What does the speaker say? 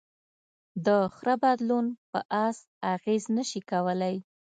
د خره بدلون په آس اغېز نهشي کولی.